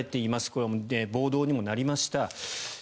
これは暴動にもなりました。